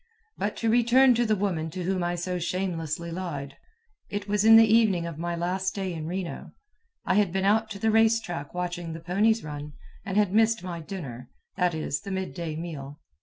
But to return to the woman to whom I so shamelessly lied. It was in the evening of my last day in Reno. I had been out to the race track watching the ponies run, and had missed my dinner (i.e. the mid day meal).